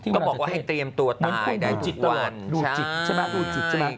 ก็บอกว่าให้เตรียมตัวตายได้ทุกวันลูกจิตใช่มั้ย